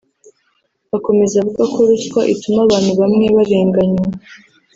Akomeza avuga ko ruswa ituma abantu bamwe barenganywa